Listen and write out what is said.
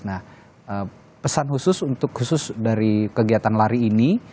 nah pesan khusus untuk khusus dari kegiatan lari ini